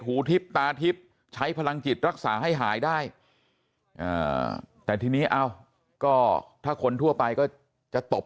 หูทิพย์ตาทิพย์ใช้พลังจิตรักษาให้หายได้แต่ทีนี้เอ้าก็ถ้าคนทั่วไปก็จะตบ